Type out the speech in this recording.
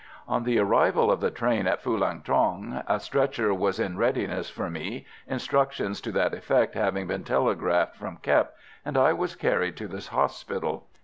On the arrival of the train at Phulang Thuong a stretcher was in readiness for me, instructions to that effect having been telegraphed from Kep, and I was carried to the hospital.